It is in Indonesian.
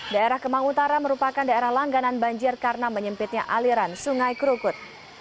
daerah kemang utara merupakan daerah langganan banjir karena menyempitnya aliran sungai krukut